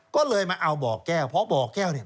ก็เลยมาเอาบ่อแก้วเพราะบ่อแก้วเนี่ย